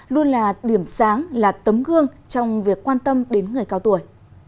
luôn là điểm sáng là tấm gương trong việc quan tâm đến người cao tuổi